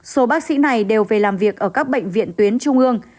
số bác sĩ này đều về làm việc ở các bệnh viện tuyến trung ương